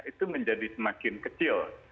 itu menjadi semakin kecil